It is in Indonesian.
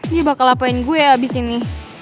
dia bakal apain gue abis ini